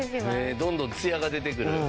どんどんツヤが出てくる。